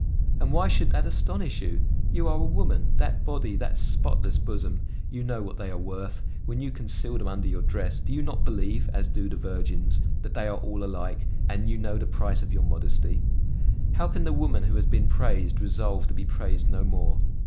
And why should that astonish you? You are a woman; that body, that spotless bosom, you know what they are worth; when you conceal them under your dress you do not believe, as do the virgins, that all are alike, and you know the price of your modesty. How can the woman who has been praised resolve to be praised no more?